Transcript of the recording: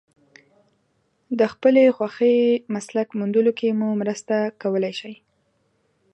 د خپلې خوښې مسلک موندلو کې مو مرسته کولای شي.